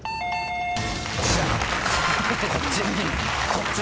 こっち！